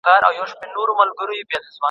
تاسو باید له خپلو ګاونډیانو سره ښه چلند وکړئ.